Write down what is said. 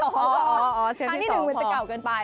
อ๋อเคลียร์ที่๑มันเหมือนจะเก่าเกินไป